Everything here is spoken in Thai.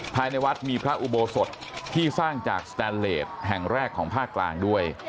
ภายในวัดมีพระอุโบสถที่สร้างจากสแตนเลสแห่งแรกของภาคกลางด้วย